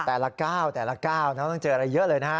แต่ละก้าวแต่ละก้าวต้องเจออะไรเยอะเลยนะฮะ